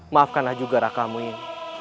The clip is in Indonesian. maafkanlah juga rakamu ini